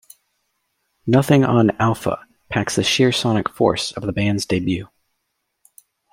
Nothing on "Alpha" packs the sheer sonic force of the band's debut".